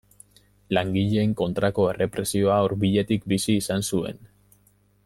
Langileen kontrako errepresioa hurbiletik bizi izan zuen.